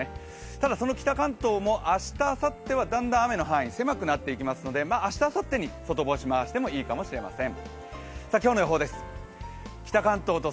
ただ、その北関東も明日あさっては、だんだん雨の範囲が狭くなってきますから明日あさってに外干し回してもいいかもしれません。